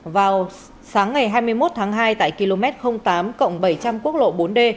vào sáng ngày hai mươi một tháng hai tại km tám bảy trăm linh quốc lộ bốn d